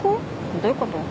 どういうこと？